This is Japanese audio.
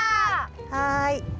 はい。